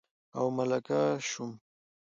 او ملکه شوم